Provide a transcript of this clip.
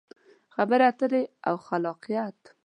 خبرې اترې او خلاقیت: